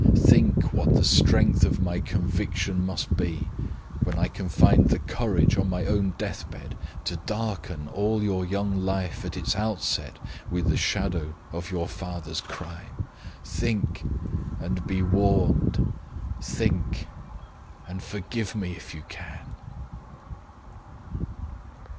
Think what the strength of my conviction must be, when I can find the courage, on my death bed, to darken all your young life at its outset with the shadow of your father's crime. Think, and be warned. Think, and forgive me if you can."